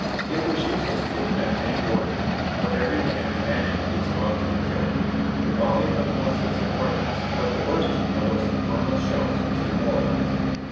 It was useless to attempt any order now, for every man imag ined he was about to be killed. The volley from the muskets had frightened us, but the bursting of those infernal shells was demor alizing.